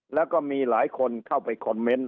แล้วก็มีหลายคนเข้าไปคอมเมนต์